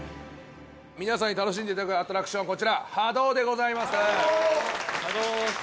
皆さんに楽しんでいただくアトラクションはこちらＨＡＤＯでございます！